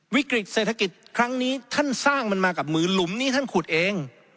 วิกฤตเศรษฐกิจครั้งนี้ท่านสร้างมันมากับมือหลุมนี้ท่านขุดเอง